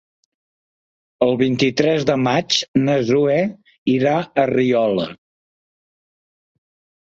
El vint-i-tres de maig na Zoè irà a Riola.